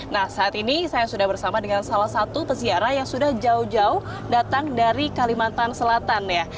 nah saat ini saya sudah bersama dengan salah satu peziarah yang sudah jauh jauh datang dari kalimantan selatan ya